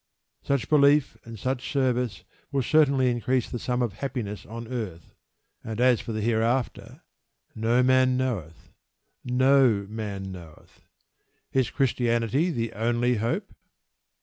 Such belief and such service will certainly increase the sum of happiness on earth. And as for the Hereafter no man knoweth. No man knoweth. IS CHRISTIANITY THE ONLY HOPE?